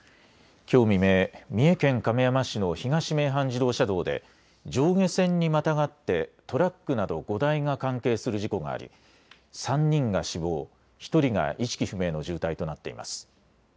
きょう未明、三重県亀山市の東名阪自動車道で上下線にまたがってトラックなど５台が関係する事故があり３人が死亡、１人が意識不明の重体となっています。